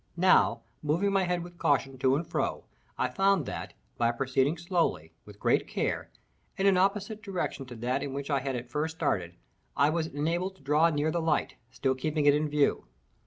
Now, moving my head with caution to and fro, I found that, by proceeding slowly, with great care, in an opposite direction to that in which I had at first started, I was enabled to draw near the light, still keeping it in view.